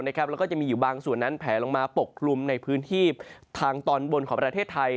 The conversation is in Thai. แล้วก็จะมีอยู่บางส่วนนั้นแผลลงมาปกคลุมในพื้นที่ทางตอนบนของประเทศไทย